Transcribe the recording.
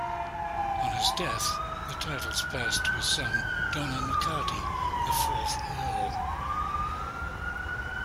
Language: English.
On his death the titles passed to his son Donough MacCarty, the fourth Earl.